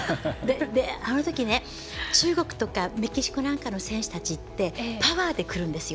あのときね、中国とかメキシコなんかの選手ってパワーでくるんですよ。